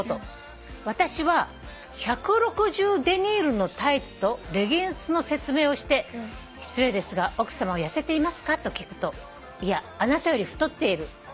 「私は１６０デニールのタイツとレギンスの説明をして失礼ですが奥さまは痩せていますかと聞くと『いやあなたより太っている』と言うのです」